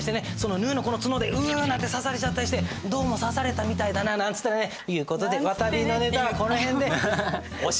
ヌーのこの角でウなんて刺されちゃったりしてどうも刺されたみたいだななんつってね。という事でわたびのネタはこの辺でおしまいです。